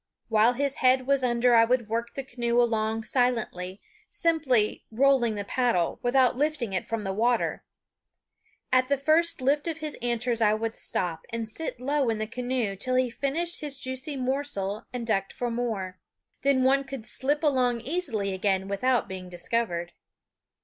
While his head was under I would work the canoe along silently, simply "rolling the paddle" without lifting it from the water. At the first lift of his antlers I would stop and sit low in the canoe till he finished his juicy morsel and ducked for more. Then one could slip along easily again without being discovered.